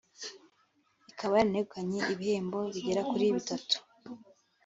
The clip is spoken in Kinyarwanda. ikaba yaranegukanye ibihembo bigera kuri bitatu